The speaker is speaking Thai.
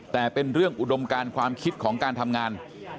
แต่เป็นเรื่องอุดมการความคิดของการทำงาน